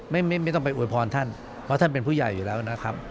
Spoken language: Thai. ไม่ต้องไปอวยพรท่านเพราะท่านเป็นผู้ใหญ่อยู่แล้วนะครับ